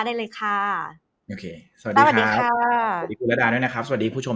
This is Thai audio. ได้เลยค่ะโอเคสวัสดีครับสวัสดีคุณระดาด้วยนะครับสวัสดีผู้ชม